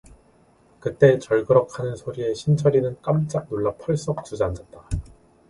그때 절그럭 하는 소리에 신철이는 깜짝 놀라 펄썩 주저앉았다.